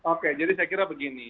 oke jadi saya kira begini